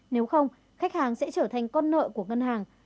nếu không khách hàng sẽ trở thành con nợ của ngân hàng